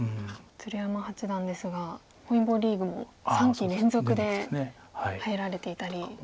鶴山八段ですが本因坊リーグも３期連続で入られていたり。